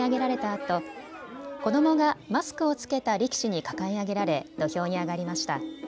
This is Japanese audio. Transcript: あと子どもがマスクを着けた力士に抱え上げられ土俵に上がりました。